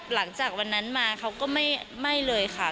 หลังจากวันนั้นมาเขาก็ไม่เลยค่ะ